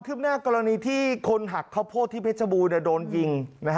หน้ากรณีที่คนหักข้าวโพดที่เพชรบูรณโดนยิง